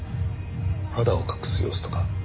肌を隠す様子とか。